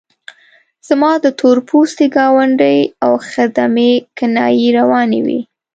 زما د تور پوستي ګاونډي او خدمې کنایې روانې وې.